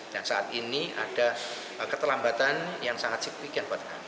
saat ini ada keterlambatan yang sangat signifikan buat kami